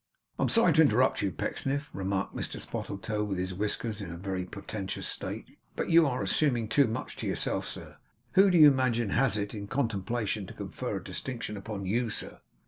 'I am sorry to interrupt you, Pecksniff,' remarked Mr Spottletoe, with his whiskers in a very portentous state; 'but you are assuming too much to yourself, sir. Who do you imagine has it in contemplation to confer a distinction upon YOU, sir?